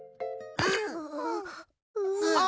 ああ！